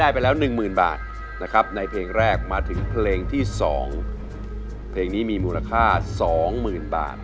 เพลงนี้มีมูลค่าสองหมื่นบาท